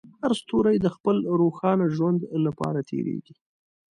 هر ستوری د خپل روښانه ژوند لپاره تېرېږي.